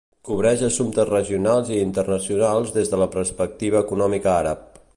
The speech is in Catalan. Cobreix assumptes regionals i internacionals des de la perspectiva econòmica àrab.